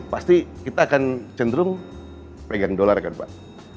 pasti kita akan cenderung pegang dolar kan pak